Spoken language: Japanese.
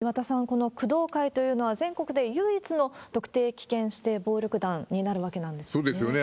岩田さん、この工藤会というのは全国で唯一の特定危険指定暴力団になるわけそうですよね。